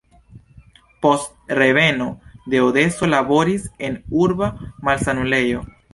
Post reveno de Odeso laboris en urba malsanulejo.